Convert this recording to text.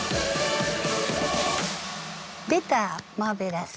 出た「マーベラス」。